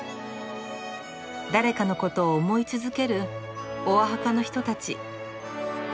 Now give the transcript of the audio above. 誰かのことを思い続けるオアハカの人たち。